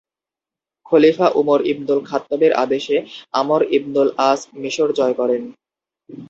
খলিফা Umar ইবনুল খাত্তাবের আদেশে আমর ইবনুল আস মিশর বিজয় করেন।